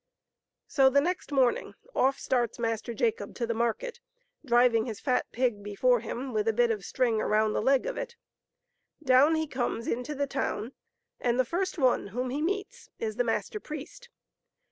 So the next morning off starts Master Jacob to the market, driving his fat pig before him with a bit of string around the leg of it. Down he comes into the town, and the first one whom he meets is the master priest.